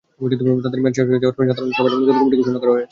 তাঁদের মেয়াদ শেষ হয়ে যাওয়ায় সাধারণ সভায় নতুন কমিটি ঘোষণা করা হয়েছে।